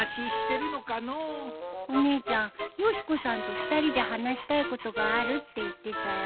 お姉ちゃんよし子さんと２人で話したいことがあるって言ってたよ。